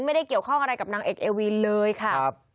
ไม่ได้เกี่ยวข้องอะไรกับนางเอกเอวีนเลยค่ะ